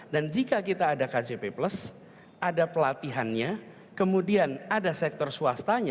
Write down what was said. dan jika kita ada kjp plus ada pelatihannya kemudian ada sektor swastanya